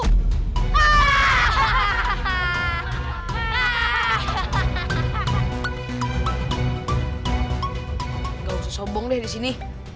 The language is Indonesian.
gak usah sobong deh di sini